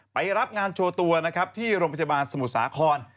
ไปรับงานโชว์ตัวที่โรงพยาบาลสมุทรสาขอน